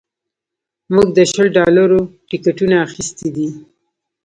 موږ د شل ډالرو ټکټونه اخیستي دي